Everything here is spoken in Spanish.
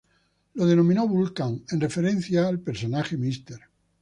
Lo denominó Vulcan en referencia al personaje Mr.